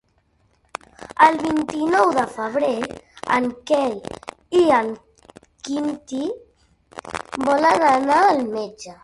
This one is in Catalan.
El vint-i-nou de febrer en Quel i en Quintí volen anar al metge.